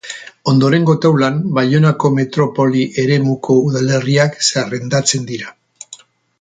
Ondorengo taulan Baionako metropoli eremuko udalerriak zerrendatzen dira.